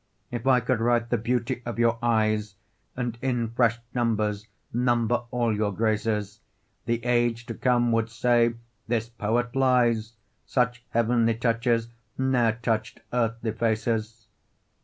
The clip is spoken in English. If I could write the beauty of your eyes, And in fresh numbers number all your graces, The age to come would say 'This poet lies; Such heavenly touches ne'er touch'd earthly faces.